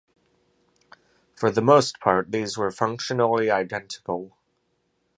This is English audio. For the most part these were functionally identical.